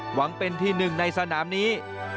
หวังเป็นที่๑ในสนามนี้